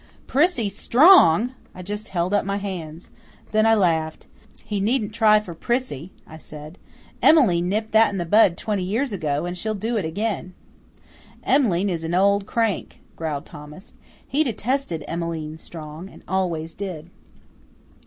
"Prissy Strong!" I just held up my hands. Then I laughed. "He needn't try for Prissy," I said. "Emmeline nipped that in the bud twenty years ago, and she'll do it again." "Em'line is an old crank," growled Thomas. He detested Emmeline Strong, and always did.